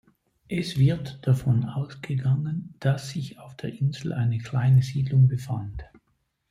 Es wird davon ausgegangen, dass sich auf der Insel eine kleine Siedlung befand.